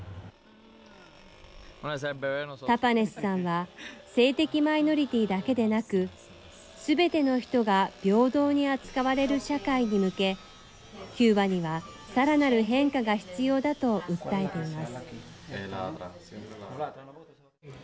タパネスさんは性的マイノリティーだけでなくすべての人が平等に扱われる社会に向けキューバにはさらなる変化が必要だと訴えています。